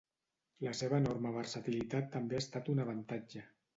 La seva enorme versatilitat també ha estat un avantatge.